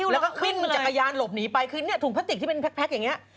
แล้วก็วิ่งจักรยานหลบหนีไปคือเนี่ยถุงพลาสติกที่เป็นแพ็คอย่างนี้